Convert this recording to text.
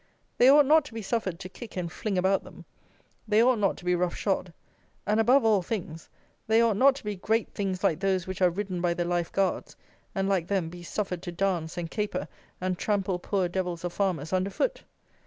They ought not to be suffered to kick and fling about them: they ought not to be rough shod, and, above all things, they ought not to be great things like those which are ridden by the Life guards: and, like them, be suffered to dance, and caper, and trample poor devils of farmers under foot.